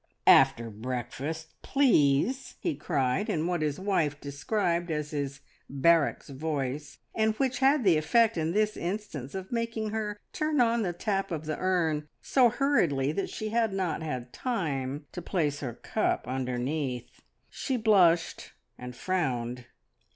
"After breakfast, please!" he cried, in what his wife described as his "barracks" voice, and which had the effect in this instance of making her turn on the tap of the urn so hurriedly that she had not had time to place her cup underneath. She blushed and frowned.